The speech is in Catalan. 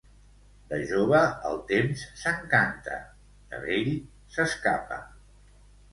De jove, el temps s'encanta; de vell, s'escapa.